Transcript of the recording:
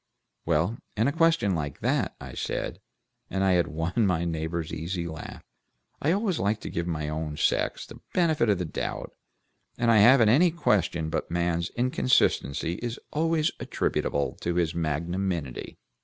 "Well, in a question like that," I said, and I won my neighbor's easy laugh, "I always like to give my own sex the benefit of the doubt, and I haven't any question but man's inconsistency is always attributable to his magnanimity."